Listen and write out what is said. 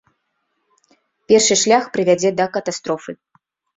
Першы шлях прывядзе да катастрофы.